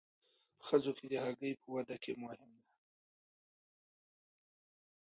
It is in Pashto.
په ښځو کې د هګۍ په وده کې مهم دی.